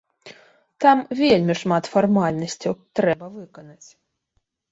Там вельмі шмат фармальнасцяў трэба выканаць.